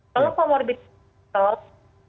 kalau comorbid kadang kadang dikonsultasikan isolasi mandiri